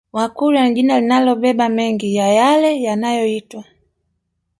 Wakurya ni jina linalobeba mengi ya yale yanaoyoitwa